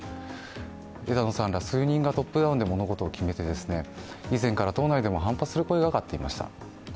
枝野さんがトップダウンを決めてですね、以前から党内でも反発する声が上がっていました。